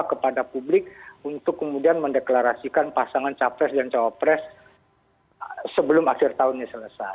kepada publik untuk kemudian mendeklarasikan pasangan capres dan cowopres sebelum akhir tahunnya selesai